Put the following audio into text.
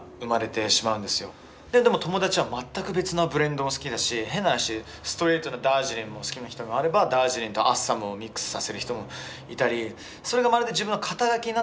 でも友達は全く別のブレンドも好きだし変な話ストレートのダージリンも好きな人もあればダージリンとアッサムをミックスさせる人もいたり。